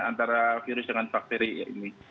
antara virus dengan bakteri ini